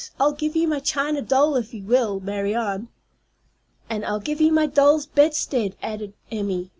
"I'll give you my china doll if you will, Marianne." "And I'll give you my doll's bedstead," added Emmy.